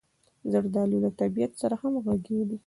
زردالو له طبعیت سره همغږې ده.